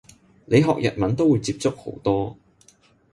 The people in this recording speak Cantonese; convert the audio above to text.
你學日文都會接觸好多